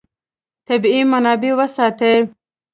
طبیعي منابع وساتئ.